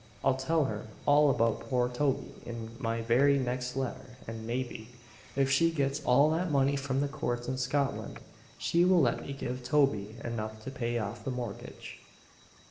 I'll tell her all about poor Toby in my very next letter and maybe, if she gets all that money from the courts in Scotland, she will let me give Toby enough to pay off the mortgage."